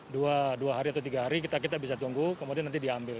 dua hari atau tiga hari kita bisa tunggu kemudian nanti diambil